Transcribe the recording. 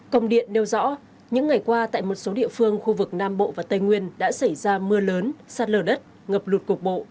công điện nêu rõ những ngày qua tại một số địa phương khu vực nam bộ và tây nguyên đã xảy ra mưa lớn sát lờ đất ngập lụt cục bộ